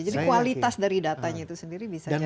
jadi kualitas dari datanya itu sendiri bisa yang berubah